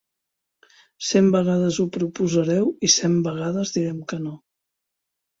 Cent vegades ho proposareu i cent vegades direm que no.